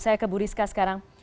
saya ke bu rizka sekarang